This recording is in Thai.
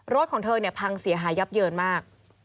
รถของเธอเนี่ยพังเสียหายยับเยินมาก